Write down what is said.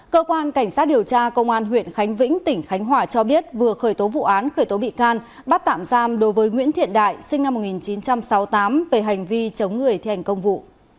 cơ quan cảnh sát điều tra công an huyện khánh vĩnh tỉnh khánh hòa cho biết vừa khởi tố vụ án khởi tố bị can bắt tạm giam đối với nguyễn thiện đại sinh năm một nghìn chín trăm sáu mươi tám về hành vi chống người thi hành công vụ